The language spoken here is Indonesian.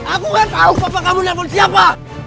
aku nggak tahu papa kamu ditelepon siapa